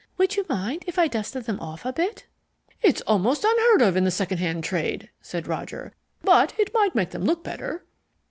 "Would you mind if I dusted them off a bit?" "It's almost unheard of in the second hand trade," said Roger; "but it might make them look better."